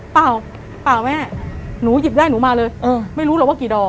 เปล่าเปล่าแม่หนูหยิบได้หนูมาเลยไม่รู้หรอกว่ากี่ดอก